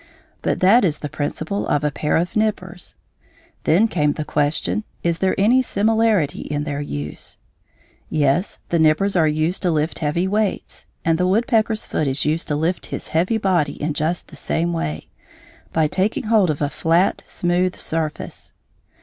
But that is the principle of a pair of nippers. Then came the question, is there any similarity in their use? Yes, the nippers are used to lift heavy weights, and the woodpecker's foot is used to lift his heavy body in just the same way, by taking hold of a flat, smooth surface.